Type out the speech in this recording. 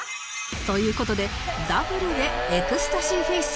という事でダブルでエクスタシーフェイス